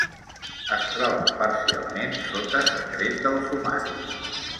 Es troba parcialment sota secret del sumari.